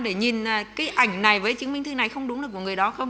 để nhìn cái ảnh này với chứng minh thư này không đúng là của người đó không